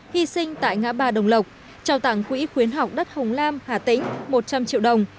hy sinh tại ngã ba đồng lộc trao tặng quỹ khuyến học đất hồng lam hà tĩnh một trăm linh triệu đồng